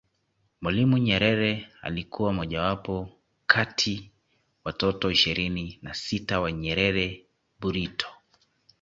Mwalimu Nyerere alikuwa mojawapo kati watoto ishirini na sita wa Nyerere Burito